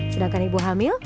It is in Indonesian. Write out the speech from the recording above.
sedangkan ibu hamil